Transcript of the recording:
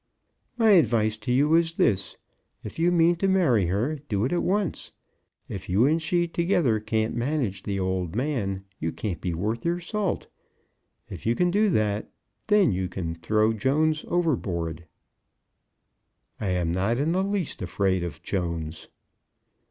"My advice to you is this. If you mean to marry her, do it at once. If you and she together can't manage the old man, you can't be worth your salt. If you can do that, then you can throw Jones overboard." "I am not in the least afraid of Jones."